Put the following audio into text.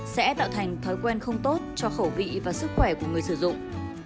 sẽ tạo thành thói quen không tốt cho khẩu vị và sức khỏe của người sử dụng